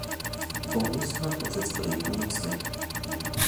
"Powóz na dworzec kolei północnej..."